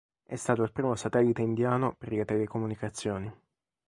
È stato il primo satellite indiano per le telecomunicazioni.